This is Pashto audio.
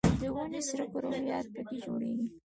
د وینې سره کرویات په ... کې جوړیږي.